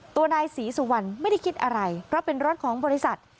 ตัวนายศรีสุวรรณไม่ได้คิดอะไรเพราะเป็นรถของบริษัท